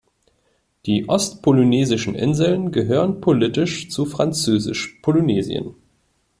Die ostpolynesischen Inseln gehören politisch zu Französisch-Polynesien.